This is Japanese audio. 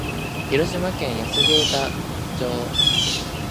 広島県安芸太田町